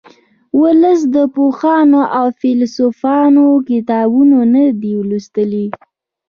ولس د پوهانو او فیلسوفانو کتابونه نه دي لوستي